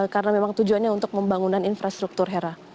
karena memang tujuannya untuk membangunan infrastruktur hera